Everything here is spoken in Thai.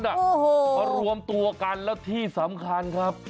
โอ้โหมารวมตัวกันแล้วที่สำคัญครับ